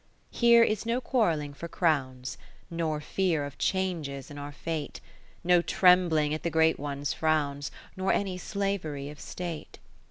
II Here is no quarrelling for crowns, Nor fear of changes in our fate ; No trembling at the Great One's frowns, Nor any slavery of state.